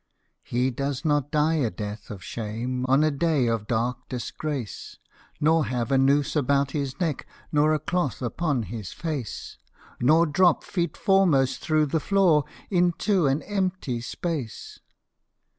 He does not die a death of shame On a day of dark disgrace, Nor have a noose about his neck, Nor a cloth upon his face, Nor drop feet foremost through the floor Into an empty space.